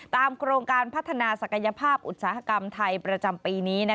โครงการพัฒนาศักยภาพอุตสาหกรรมไทยประจำปีนี้